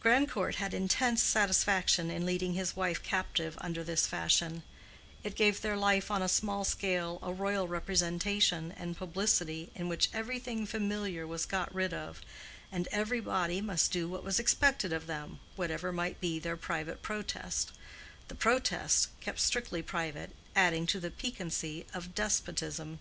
Grandcourt had intense satisfaction in leading his wife captive after this fashion; it gave their life on a small scale a royal representation and publicity in which every thing familiar was got rid of, and every body must do what was expected of them whatever might be their private protest—the protest (kept strictly private) adding to the piquancy of despotism.